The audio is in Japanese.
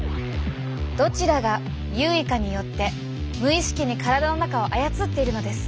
どちらが優位かによって無意識に体の中を操っているのです。